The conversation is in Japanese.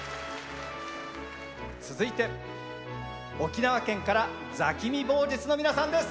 続いて沖縄県から座喜味棒術の皆さんです。